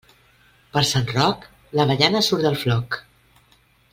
Per Sant Roc, l'avellana surt del floc.